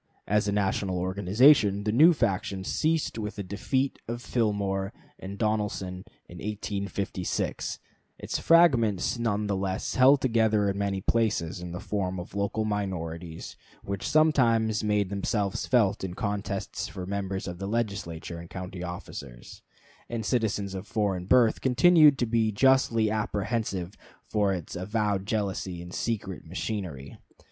As a national organization, the new faction ceased with the defeat of Fillmore and Donelson in 1856; its fragments nevertheless held together in many places in the form of local minorities, which sometimes made themselves felt in contests for members of the Legislature and county officers; and citizens of foreign birth continued to be justly apprehensive of its avowed jealousy and secret machinery.